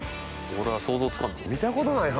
俺は想像つかない。